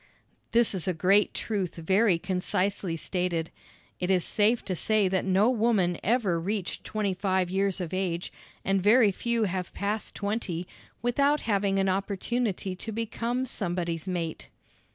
This is a great truth very concisely stated. It is safe to say that no woman ever reached twenty five years of age, and very few have passed twenty, without having an opportunity to become somebody's mate.